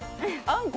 あ！